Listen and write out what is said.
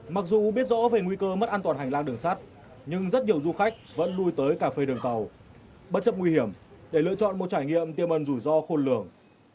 mặc dù biết rõ về nguy cơ mất an toàn hành lang đường sát nhưng rất nhiều du khách vẫn lui tới cà phê đường tàu bất chấp nguy hiểm để lựa chọn một trải nghiệm tiềm ẩn rủi ro khôn lường